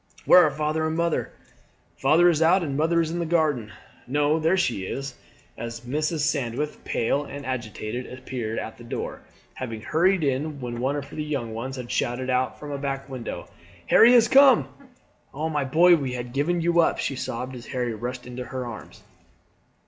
"Where are father and mother?" "Father is out, and mother is in the garden. No, there she is" as Mrs. Sandwith, pale and agitated, appeared at the door, having hurried in when one of the young ones had shouted out from a back window: "Harry has come!" "Oh, my boy, we had given you up," she sobbed as Harry rushed into her arms.